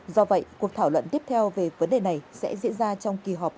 do vậy cuộc thảo luận tiếp theo về vấn đề này sẽ diễn ra trong kỳ họp